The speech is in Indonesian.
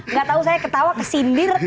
nggak tahu saya ketawa kesindir